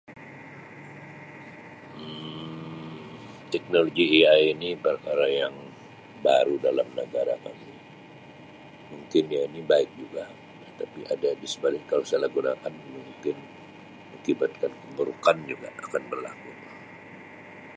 Um Teknologi AI ni perkara yang baru dalam negara kami, mungkin dia ni baik juga tetapi ada disebalik kesalahgunaan mungkin mengakibatkan keburukan juga akan berlaku Um.